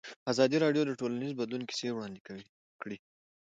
ازادي راډیو د ټولنیز بدلون کیسې وړاندې کړي.